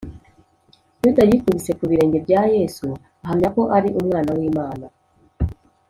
yuda yikubise ku birenge bya yesu, ahamya ko ari umwana w’imana,